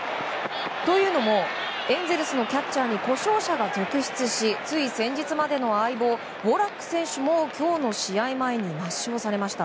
というのも、エンゼルスのキャッチャーに故障者が続出しつい先日までの相棒ウォラック選手も今日の試合前に抹消されました。